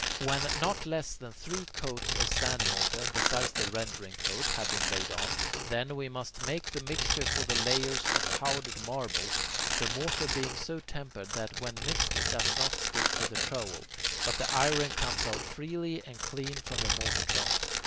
When not less than three coats of sand mortar, besides the rendering coat, have been laid on, then, we must make the mixture for the layers of powdered marble, the mortar being so tempered that when mixed it does not stick to the trowel, but the iron comes out freely and clean from the mortar trough.